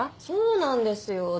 そうなんですよ。